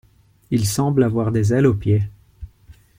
Il semble avoir des ailes aux pieds.